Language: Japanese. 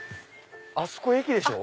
あそこ駅でしょ？